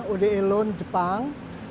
ode loan jepang